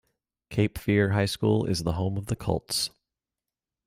Cape Fear High School is the home of the Colts.